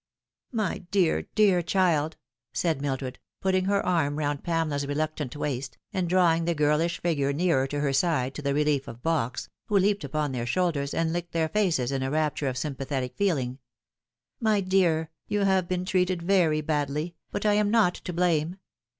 My dear, dear child," said Mildred, putting her arm round Pamela's reluctant waist, and drawing the girlish figure nearer to her side, to the relief of Box, who leaped upon their shoulders and licked their faces in a rapture of sympathetic feeling ;" my 224 The Fatal Three. dear, you have been treated very badly, but I am not to blame.